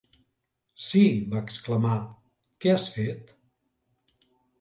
"Sí", va exclamar, "què has fet"?